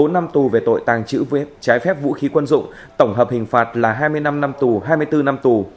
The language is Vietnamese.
bốn năm tù về tội tàng trữ trái phép vũ khí quân dụng tổng hợp hình phạt là hai mươi năm năm tù hai mươi bốn năm tù